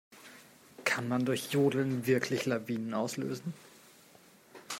Kann man durch Jodeln wirklich Lawinen auslösen?